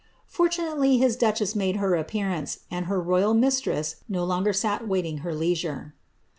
Fortu nately his duchess made lier appearance, and her royal mistress bo longer sat waiting her leisure.